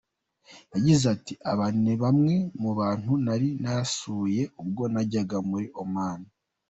Yagize ati “Aba ni bamwe mu bantu nari narasuye ubwo najyaga muri Oman.